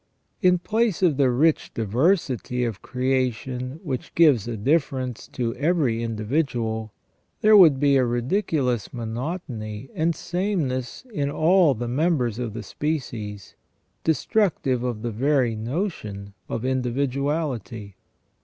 In place of the rich diversity of creation which gives a difference to every in dividual, there would be a ridiculous monotony and sameness in 1 86 ON EVIL AND THE ORIGIN OF EVIL. all the members of the species, destructive of the very notion of individuality.